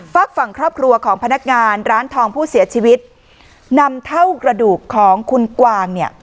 ฝากฝั่งครอบครัวของพนักงานร้านทองผู้เสียชีวิตนำเท่ากระดูกของคุณกวางเนี่ย